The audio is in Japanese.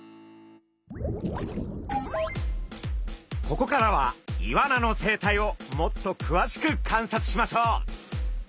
ここからはイワナの生態をもっとくわしく観察しましょう。